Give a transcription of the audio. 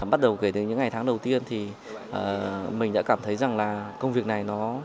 bắt đầu kể từ những ngày tháng đầu tiên thì mình đã cảm thấy rằng là công việc này nó